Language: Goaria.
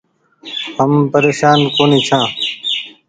هم پريشان ڪونيٚ ڇآن۔